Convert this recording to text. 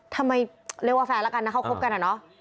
ทำไมเรียกว่าแฟนแล้วกันนะเขาคบกันอะเนาะ